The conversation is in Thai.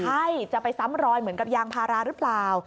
ใช่จะไปซ้ำรอยเหมือนกับยางพาราหรือเปล่า